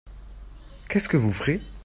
Qu'est-ce que vous ferez ?